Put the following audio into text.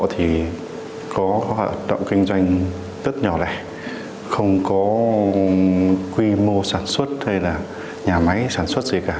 thì có hoạt động kinh doanh rất nhỏ lẻ không có quy mô sản xuất hay là nhà máy sản xuất gì cả